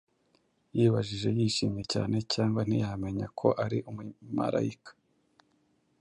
yibajije yishimye cyane, cyangwa ntiyamenya ko ari umumarayika.